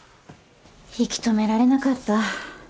引き留められなかった。